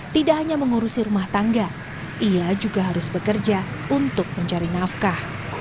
tidak hanya mengurusi rumah tangga ia juga harus bekerja untuk mencari nafkah